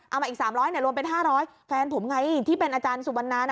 มาอีก๓๐๐รวมเป็น๕๐๐แฟนผมไงที่เป็นอาจารย์สุบันนาน